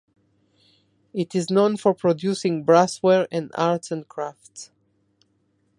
It is known for producing brassware and arts and crafts.